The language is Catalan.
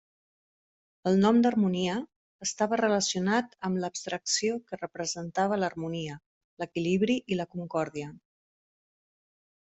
El nom d'Harmonia estava relacionat amb l'abstracció que representava l'harmonia, l'equilibri i la concòrdia.